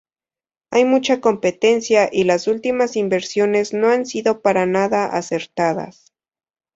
Hay mucha competencia y las últimas inversiones no han sido para nada acertadas.